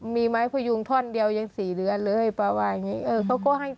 มีไม้พยุงท่อนเดียวยัง๔เดือนเลย